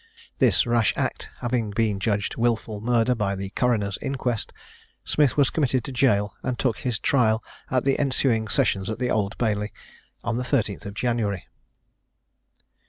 This rash act having been judged wilful murder by the coroner's inquest, Smith was committed to jail, and took his trial at the ensuing sessions at the Old Bailey, on the 13th January.